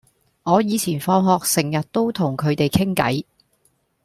我以前放學成日都同佢哋傾偈